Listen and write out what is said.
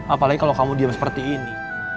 apalagi kalau kamu diam seperti ini